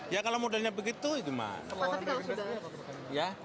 ya kalau modalnya begitu gimana